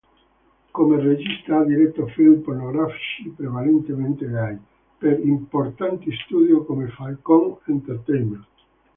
Come regista ha diretto film pornografici prevalentemente gay, per importanti studios come Falcon Entertainment.